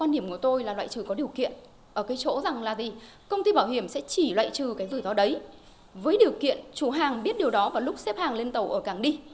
điều kiện chủ hàng biết điều đó vào lúc xếp hàng lên tàu ở cảng đi